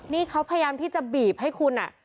นี่เขาพยายามที่จะบีบให้คุณ